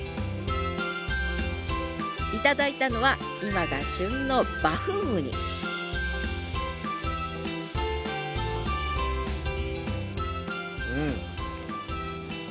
頂いたのは今が旬のバフンウニうん。